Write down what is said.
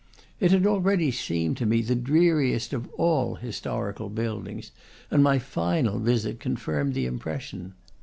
It had already seemed to me the dreariest of all historical buildings, and my final visit confirmed the impression.